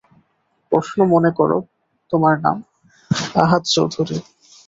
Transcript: প্রশ্ন মনে করো, তোমার নাম আহাদ চৌধুরী।